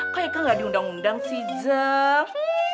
kok eke gak diundang undang sih jun